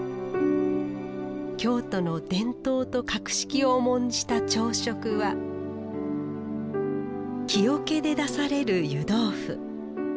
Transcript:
京都の伝統と格式を重んじた朝食は木おけで出される湯豆腐。